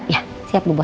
ya siap lho bos